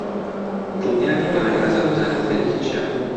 دڵنیا نیم لەوەی ئازاد بزانێت خەریکی چییە.